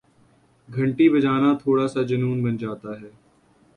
گھنٹی بجانا تھوڑا سا جنون بن جاتا ہے